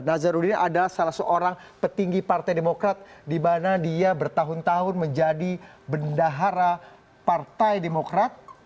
nazarudin adalah salah seorang petinggi partai demokrat di mana dia bertahun tahun menjadi bendahara partai demokrat